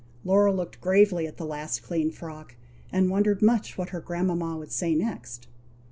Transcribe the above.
Laura looked gravely at the last clean frock, and wondered much what her grandmama would say next.